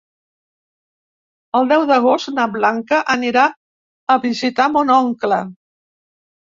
El deu d'agost na Blanca anirà a visitar mon oncle.